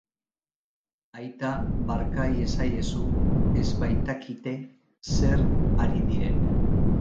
Aita, barka iezaiezu, ez baitakite zer ari diren.